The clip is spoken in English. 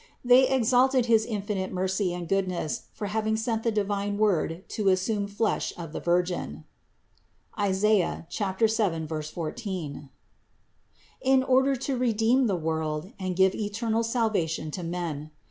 They exalted his infinite mercy and goodness for having sent the divine Word to assume flesh of a Virgin (Is. 7, 14) in order to redeem the world and give eternal salvation to men.